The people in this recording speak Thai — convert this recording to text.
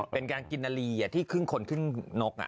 เป็นการกินนาลีที่ครึ่งคนครึ่งนก